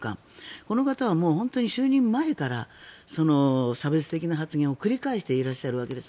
この方は就任前から差別的な発言を繰り返していらっしゃるわけです